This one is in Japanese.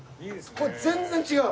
これ全然違う。